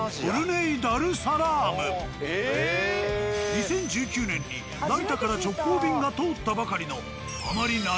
２０１９年に成田から直行便が通ったばかりの。